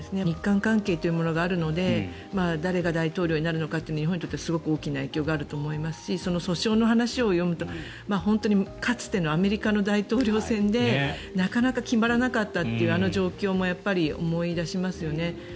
日韓関係というのがあるので誰が大統領になるのかというのは日本に大きな影響があると思いますし訴訟の話を読むと本当にかつてのアメリカの大統領選でなかなか決まらなかったというあの状況も思い出しますよね。